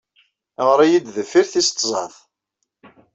Ɣer-iyi-d deffir tis tẓat.